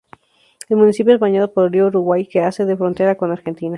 El municipio es bañado por el río Uruguay, que hace de frontera con Argentina.